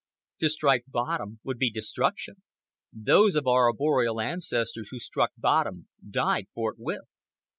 To strike bottom would be destruction. Those of our arboreal ancestors who struck bottom died forthwith.